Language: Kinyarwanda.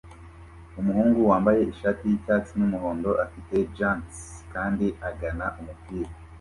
Umuhungu wambaye ishati yicyatsi n'umuhondo afite gants kandi agana umupira